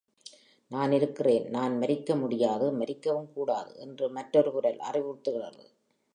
நான் இருக்கிறேன் நான் மரிக்க முடியாது மரிக்கவும் கூடாது என்று மற்றொரு குரல் அறிவுறுத்துகிறது.